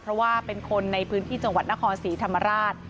เพราะว่าเป็นคนในพื้นที่จังหวัดนครศรีธรรมราช